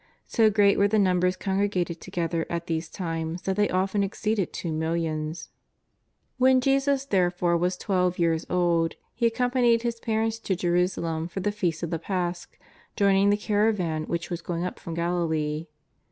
So great were the numbers congregated together at these times that they often exceeded two millions. 91 92 JESUS OF NAZAEETH. When Jesus, therefore, was twelve years old, He ac companied His parents to Jerusalem for the Feast of the Pasch, joining the caravan which was going up from Galilee.